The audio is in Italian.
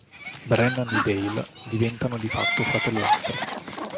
Brennan e Dale diventano di fatto fratellastri.